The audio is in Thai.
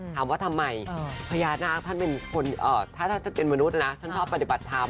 ถามว่าทำไมพญานาคท่านเป็นคนถ้าท่านเป็นมนุษย์นะฉันชอบปฏิบัติธรรม